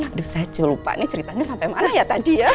aduh saya jauh lupa nih ceritanya sampai mana ya tadi ya